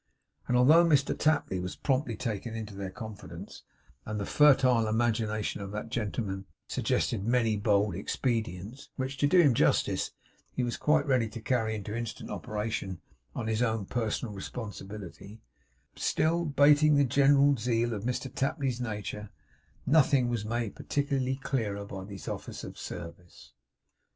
And although Mr Tapley was promptly taken into their confidence; and the fertile imagination of that gentleman suggested many bold expedients, which, to do him justice, he was quite ready to carry into instant operation on his own personal responsibility; still 'bating the general zeal of Mr Tapley's nature, nothing was made particularly clearer by these offers of service.